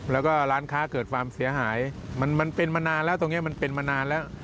แล้วก็ร้านค้าเกิดความเสียหายมันเป็นมานานแล้วตรงนี้มันเป็นมานานแล้ว